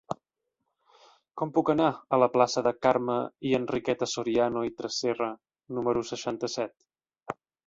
Com puc anar a la plaça de Carme i Enriqueta Soriano i Tresserra número seixanta-set?